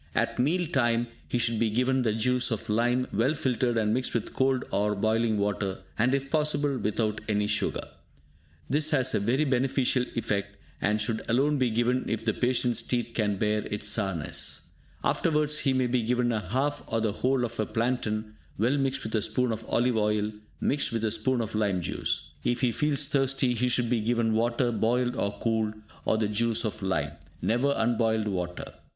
At meal time, he should be given the juice of lime, well filtered and mixed with cold or boiling water, and if possible, without any sugar. This has a very beneficial effect, and should alone be given if the patient's teeth can bear its sourness. Afterwards, he may be given a half or the whole of a plantain, well mixed with a spoon of olive oil, mixed with a spoon of lime juice. If he feels thirsty, he should be given water boiled and cooled, or the juice of lime, never unboiled water.